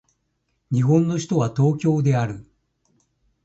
日本の首都は東京である